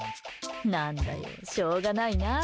何だよ、しょうがないなあ。